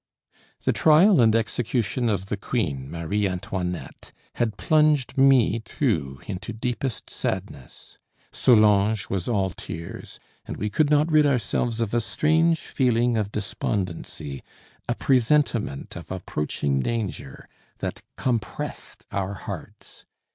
The trial and execution of the queen, Marie Antoinette, had plunged me, too, into deepest sadness. Solange was all tears, and we could not rid ourselves of a strange feeling of despondency, a presentiment of approaching danger, that compressed our hearts.